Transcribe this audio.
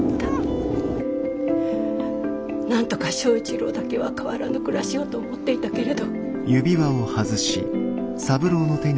なんとか正一郎だけは変わらぬ暮らしをと思っていたけれど。